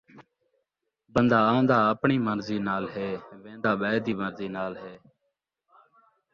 بندہ آندا اپݨی مرضی نال ہے، ویندا ٻئے دی مرضی نال ہے